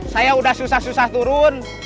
saya sudah susah susah turun